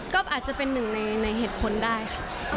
ก็อาจจะเป็นหนึ่งในเหตุผลได้ค่ะ